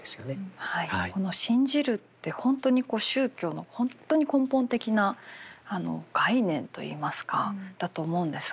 この「信じる」って本当に宗教の本当に根本的な概念といいますかだと思うんですが。